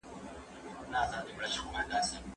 دا حالت اړيکې خرابوي.